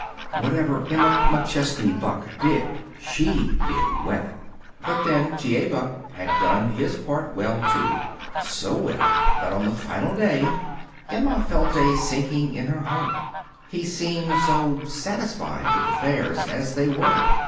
Whatever Emma McChesney Buck did, she did well. But, then, T. A. Buck had done his part well, too so well that, on the final day, Emma felt a sinking at her heart. He seemed so satisfied with affairs as they were.